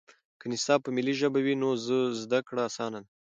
که نصاب په ملي ژبه وي نو زده کړه اسانه ده.